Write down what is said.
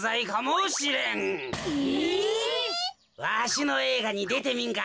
わしのえいがにでてみんか？